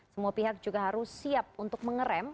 semua pihak juga harus siap untuk mengerem